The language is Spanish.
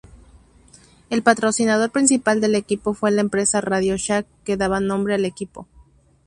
El patrocinador principal del equipo fue la empresa RadioShack, que daba nombre al equipo.